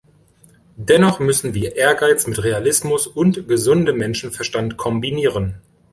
Dennoch müssen wir Ehrgeiz mit Realismus und gesundem Menschenverstand kombinieren.